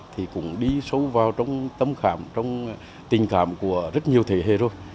thì cũng đi sâu vào trong tâm khảm trong tình cảm của rất nhiều thế hệ rồi